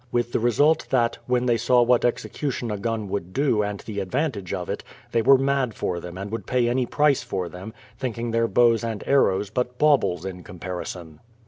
With the result that, when they saw what execution a gun would do and the advantage of it, they were mad for them and would pay any price for them, thinking their bows and arrows but baubles in comparison.